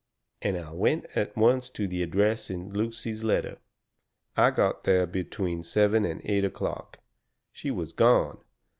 And I went at once to the address in Lucy's letter. I got there between seven and eight o'clock. She was gone.